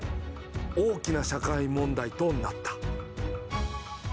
大きな社会問題となった。